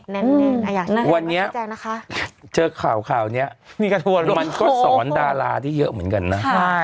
แน่นหวันนี้แชร์ข่าวนี้มันก็สอนดาราที่เยอะเหมือนกันนะ